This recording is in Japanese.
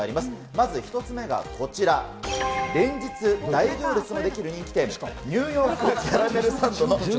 まず１つ目がこちら、連日大行列の出来る人気店、ニューヨークキャラメルサンドの。